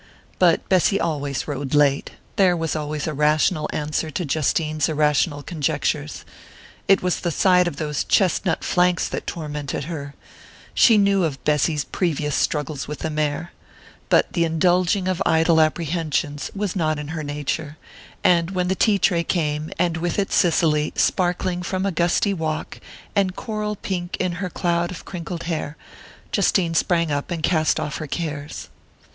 But Bessy always rode late there was always a rational answer to Justine's irrational conjectures.... It was the sight of those chestnut flanks that tormented her she knew of Bessy's previous struggles with the mare. But the indulging of idle apprehensions was not in her nature, and when the tea tray came, and with it Cicely, sparkling from a gusty walk, and coral pink in her cloud of crinkled hair, Justine sprang up and cast off her cares.